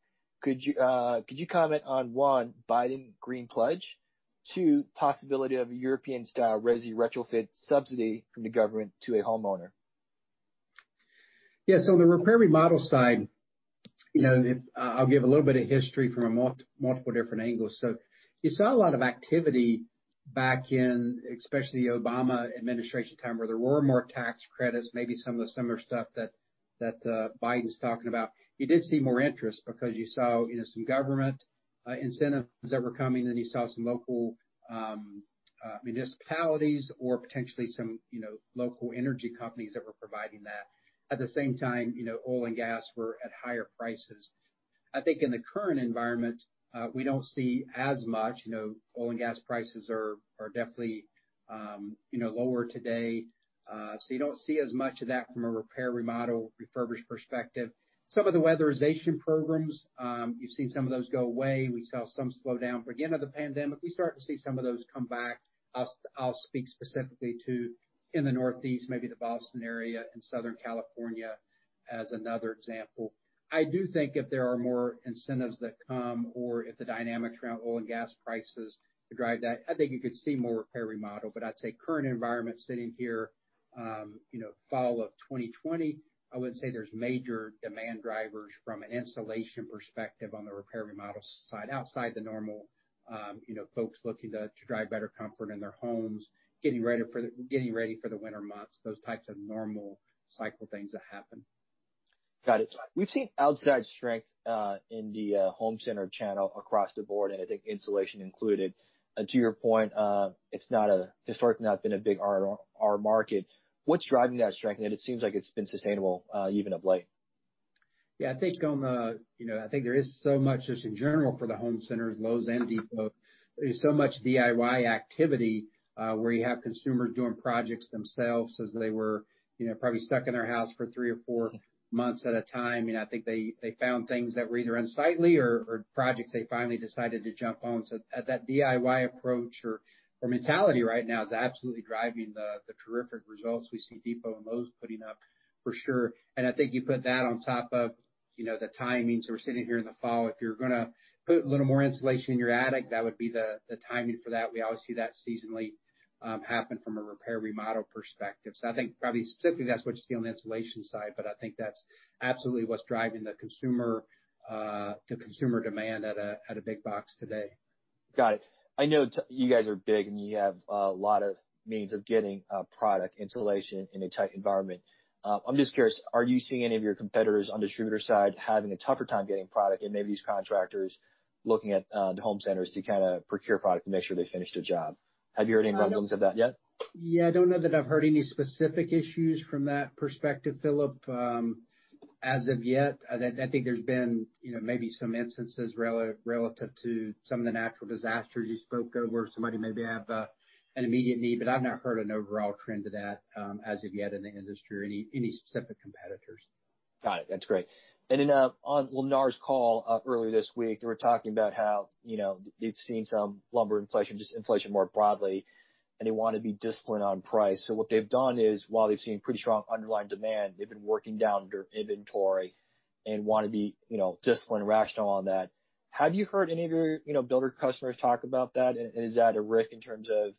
could you comment on, one, Biden green pledge? Two, possibility of a European-style resi retrofit subsidy from the government to a homeowner. Yeah, so on the repair/remodel side, you know, I'll give a little bit of history from a multiple different angles. So you saw a lot of activity back in, especially the Obama administration time, where there were more tax credits, maybe some of the similar stuff that Biden's talking about. You did see more interest because you saw, you know, some government incentives that were coming, then you saw some local municipalities or potentially some, you know, local energy companies that were providing that. At the same time, you know, oil and gas were at higher prices. I think in the current environment, we don't see as much. You know, oil and gas prices are definitely, you know, lower today. So you don't see as much of that from a repair, remodel, refurbished perspective. Some of the weatherization programs, you've seen some of those go away. We saw some slow down again during the pandemic. We're starting to see some of those come back. I'll speak specifically to in the Northeast, maybe the Boston area and Southern California as another example. I do think if there are more incentives that come, or if the dynamics around oil and gas prices drive that, I think you could see more repair/remodel. But I'd say current environment, sitting here, you know, fall of 2020, I wouldn't say there's major demand drivers from an installation perspective on the repair/remodel side, outside the normal, you know, folks looking to drive better comfort in their homes, getting ready for the winter months, those types of normal cycle things that happen. Got it. We've seen outside strength in the home center channel across the board, and I think insulation included. And to your point, it's not, historically, been a big part of our market. What's driving that strength? And it seems like it's been sustainable, even of late. Yeah, I think. You know, I think there is so much, just in general, for the home centers, Lowe's and Depot, there's so much DIY activity, where you have consumers doing projects themselves, as they were, you know, probably stuck in their house for three or four months at a time. And I think they found things that were either unsightly or projects they finally decided to jump on. So at that DIY approach or mentality right now is absolutely driving the terrific results we see Depot and Lowe's putting up, for sure. And I think you put that on top of, you know, the timings. We're sitting here in the fall. If you're gonna put a little more insulation in your attic, that would be the timing for that. We obviously see that seasonally happen from a repair/remodel perspective. So I think probably specifically that's what you see on the insulation side, but I think that's absolutely what's driving the consumer demand at a big box today. Got it. I know you guys are big, and you have a lot of means of getting product insulation in a tight environment. I'm just curious, are you seeing any of your competitors on distributor side having a tougher time getting product, and maybe these contractors looking at the home centers to kind of procure product to make sure they finish the job? Have you heard any rumblings of that yet? Yeah, I don't know that I've heard any specific issues from that perspective, Philip, as of yet. I think there's been, you know, maybe some instances relative to some of the natural disasters you spoke of, where somebody may have an immediate need. But I've not heard an overall trend to that, as of yet in the industry, or any specific competitors. Got it. That's great. And then, on Lennar's call earlier this week, they were talking about how, you know, they've seen some lumber inflation, just inflation more broadly, and they want to be disciplined on price. So what they've done is, while they've seen pretty strong underlying demand, they've been working down their inventory and want to be, you know, disciplined and rational on that. Have you heard any of your, you know, builder customers talk about that? And is that a risk in terms of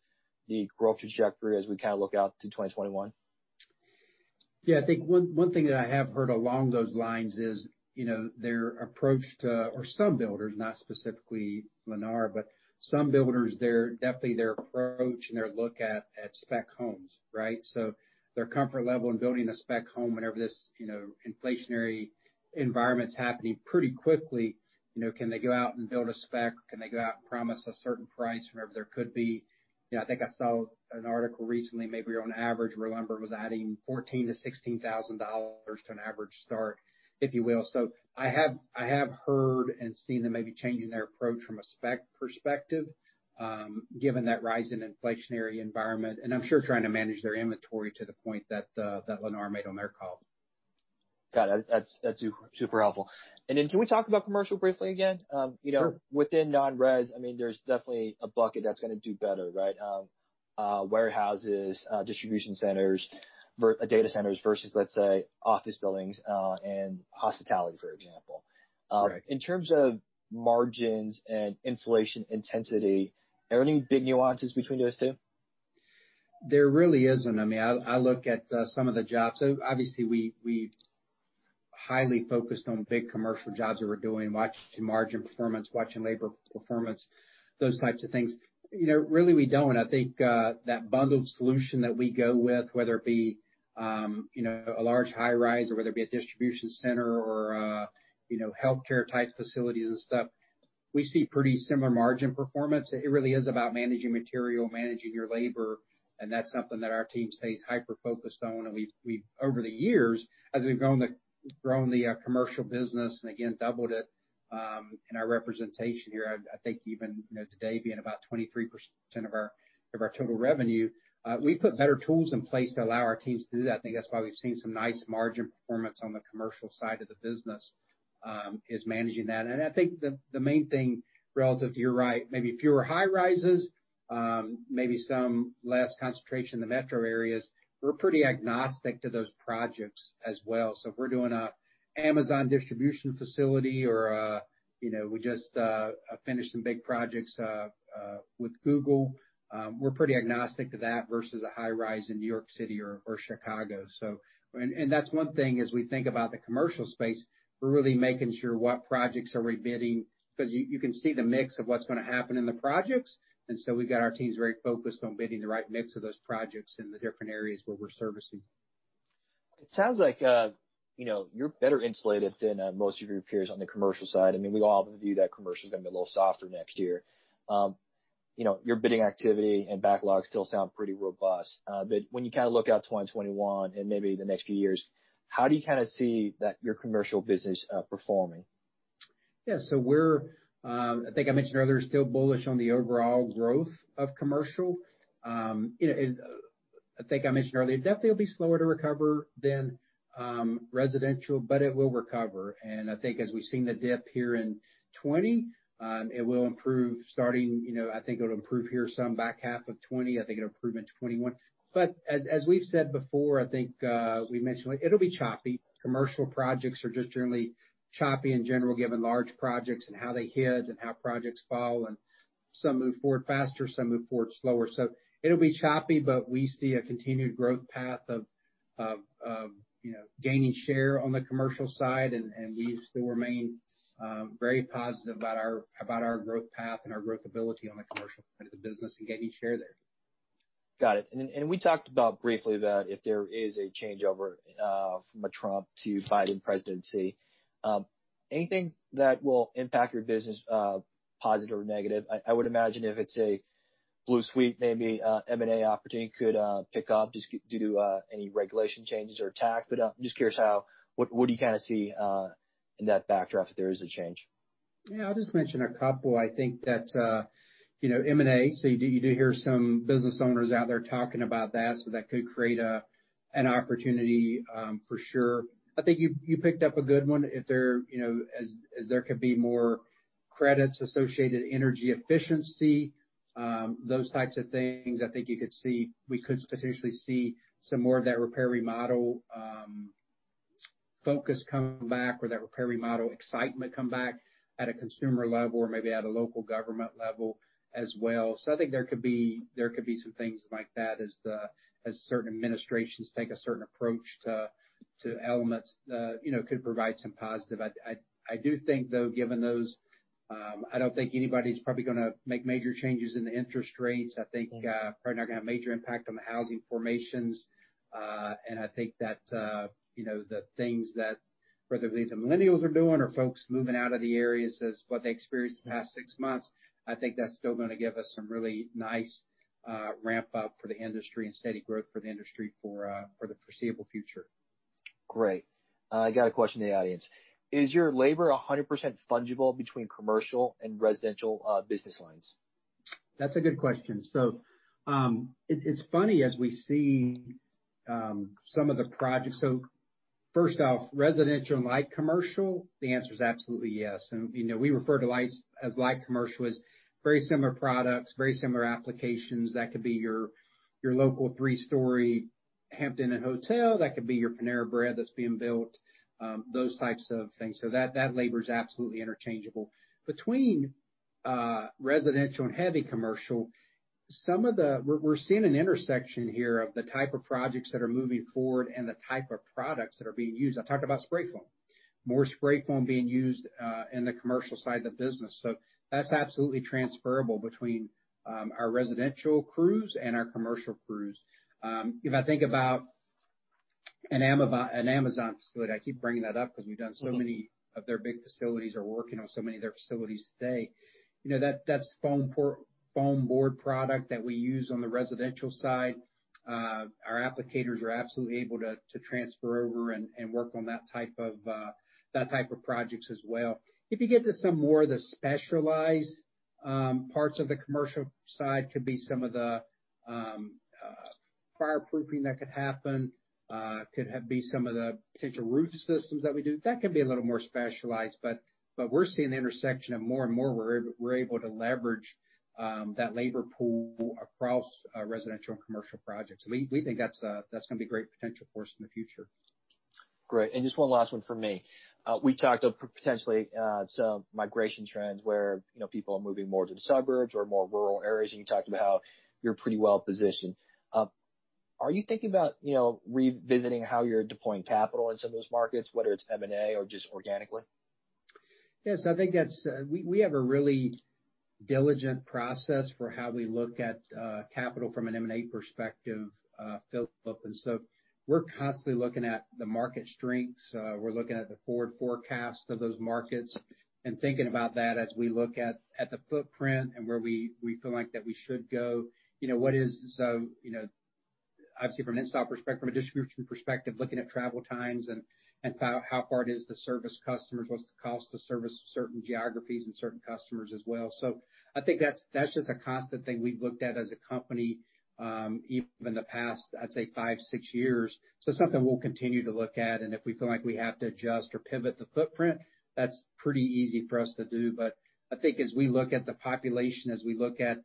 the growth trajectory as we kind of look out to 2021? Yeah, I think one thing that I have heard along those lines is, you know, their approach to... Or some builders, not specifically Lennar, but some builders, they're definitely their approach and their look at, at spec homes, right? So their comfort level in building a spec home whenever this, you know, inflationary environment's happening pretty quickly, you know, can they go out and build a spec? Can they go out and promise a certain price whenever there could be... You know, I think I saw an article recently, maybe on average, where lumber was adding $14,000-$16,000 to an average start, if you will. So I have heard and seen them maybe changing their approach from a spec perspective, given that rise in inflationary environment, and I'm sure trying to manage their inventory to the point that Lennar made on their call.... Got it. That's, that's super helpful. And then can we talk about commercial briefly again? You know- Sure. Within non-res, I mean, there's definitely a bucket that's gonna do better, right? Warehouses, distribution centers, versus, let's say, office buildings, and hospitality, for example. Correct. In terms of margins and insulation intensity, are there any big nuances between those two? There really isn't. I mean, I look at some of the jobs. So obviously, we highly focused on big commercial jobs that we're doing, watching margin performance, watching labor performance, those types of things. You know, really, we don't. I think that bundled solution that we go with, whether it be, you know, a large high-rise, or whether it be a distribution center, or, you know, healthcare-type facilities and stuff, we see pretty similar margin performance. It really is about managing material, managing your labor, and that's something that our team stays hyper-focused on. And we've over the years, as we've grown the commercial business and, again, doubled it in our representation here, I think even, you know, today, being about 23% of our total revenue, we've put better tools in place to allow our teams to do that. I think that's why we've seen some nice margin performance on the commercial side of the business is managing that. And I think the main thing relative to you're right, maybe fewer high-rises, maybe some less concentration in the metro areas, we're pretty agnostic to those projects as well. So if we're doing an Amazon distribution facility or a, you know, we just finished some big projects with Google, we're pretty agnostic to that versus a high-rise in New York City or Chicago. So... That's one thing, as we think about the commercial space, we're really making sure what projects are we bidding, because you can see the mix of what's gonna happen in the projects. So we've got our teams very focused on bidding the right mix of those projects in the different areas where we're servicing. It sounds like, you know, you're better insulated than most of your peers on the commercial side. I mean, we all view that commercial is gonna be a little softer next year. You know, your bidding activity and backlog still sound pretty robust, but when you kind of look out to 2021 and maybe the next few years, how do you kind of see that, your commercial business, performing? Yeah. So we're, I think I mentioned earlier, still bullish on the overall growth of commercial. You know, and I think I mentioned earlier, it definitely will be slower to recover than, residential, but it will recover. I think as we've seen the dip here in 2020, it will improve starting, you know, I think it'll improve here some back half of 2020. I think it'll improve into 2021. But as, as we've said before, I think, we've mentioned, it'll be choppy. Commercial projects are just generally choppy in general, given large projects and how they hit and how projects fall, and some move forward faster, some move forward slower. It'll be choppy, but we see a continued growth path of you know gaining share on the commercial side, and we still remain very positive about our growth path and our growth ability on the commercial part of the business and gaining share there. Got it. And we talked about briefly that if there is a changeover from a Trump to Biden presidency, anything that will impact your business positive or negative? I would imagine if it's a blue sweep, maybe M&A opportunity could pick up, just due to any regulation changes or tax. But just curious how what do you kind of see in that backdrop if there is a change? Yeah, I'll just mention a couple. I think that, you know, M&A, so you do hear some business owners out there talking about that, so that could create an opportunity, for sure. I think you picked up a good one. If there, you know, as there could be more credits associated energy efficiency, those types of things, I think you could see we could potentially see some more of that repair/remodel focus come back or that repair/remodel excitement come back at a consumer level or maybe at a local government level as well. So I think there could be, there could be some things like that as the, as certain administrations take a certain approach to, to elements that, you know, could provide some positive. I do think, though, given those, I don't think anybody's probably gonna make major changes in the interest rates. I think, probably not gonna have a major impact on the housing starts, and I think that, you know, the things that, whether it be the millennials are doing or folks moving out of the areas, as what they experienced in the past six months, I think that's still gonna give us some really nice, ramp up for the industry and steady growth for the industry for, for the foreseeable future. Great. I got a question in the audience: Is your labor 100% fungible between commercial and residential, business lines? That's a good question. So, it's funny, as we see some of the projects. So first off, residential and light commercial, the answer is absolutely yes. And, you know, we refer to lights, as light commercial, as very similar products, very similar applications. That could be your local three-story Hampton Inn Hotel. That could be your Panera Bread that's being built, those types of things. So that labor is absolutely interchangeable. Between residential and heavy commercial, some of the-- we're seeing an intersection here of the type of projects that are moving forward and the type of products that are being used. I talked about spray foam. More spray foam being used in the commercial side of the business, so that's absolutely transferable between our residential crews and our commercial crews. If I think about an Amazon facility, I keep bringing that up because we've done so many of their big facilities or working on so many of their facilities today. You know, that's foam board product that we use on the residential side. Our applicators are absolutely able to transfer over and work on that type of projects as well. If you get to some more of the specialized parts of the commercial side, could be some of the fireproofing that could happen, could have be some of the potential roof systems that we do. That can be a little more specialized, but we're seeing the intersection of more and more, where we're able to leverage that labor pool across residential and commercial projects. We think that's gonna be a great potential for us in the future. Great. And just one last one from me. We talked of potentially some migration trends where, you know, people are moving more to the suburbs or more rural areas, and you talked about how you're pretty well positioned. Are you thinking about, you know, revisiting how you're deploying capital in some of those markets, whether it's M&A or just organically? Yes, I think that's. We have a really diligent process for how we look at capital from an M&A perspective, Philip, and so we're constantly looking at the market strengths. We're looking at the forward forecast of those markets, and thinking about that as we look at the footprint and where we feel like that we should go. You know, what is, you know, obviously from an install perspective, from a distribution perspective, looking at travel times and how far it is to service customers, what's the cost to service certain geographies and certain customers as well. So I think that's just a constant thing we've looked at as a company, even in the past. I'd say five, six years. So something we'll continue to look at, and if we feel like we have to adjust or pivot the footprint, that's pretty easy for us to do. But I think as we look at the population, as we look at,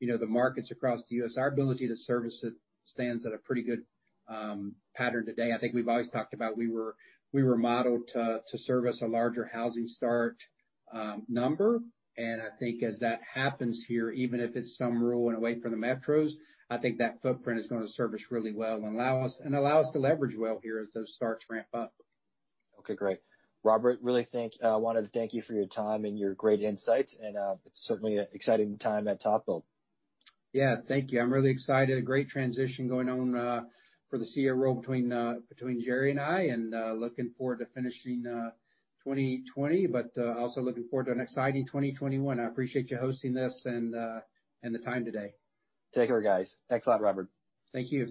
you know, the markets across the U.S., our ability to service it stands at a pretty good pattern today. I think we've always talked about we were modeled to service a larger housing starts number, and I think as that happens here, even if it's some rural and away from the metros, I think that footprint is gonna service really well and allow us to leverage well here as those starts ramp up. Okay, great. Robert, I wanted to thank you for your time and your great insights, and it's certainly an exciting time at TopBuild. Yeah. Thank you. I'm really excited. A great transition going on for the CEO role between Jerry and I, and looking forward to finishing 2020, but also looking forward to an exciting 2021. I appreciate you hosting this and the time today. Take care, guys. Thanks a lot, Robert. Thank you.